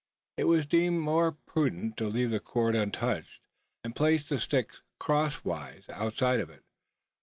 It was deemed more prudent to leave the cord untouched, and place the sticks crosswise outside of it.